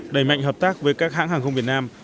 đẩy mạnh hợp tác với các hãng hàng không việt nam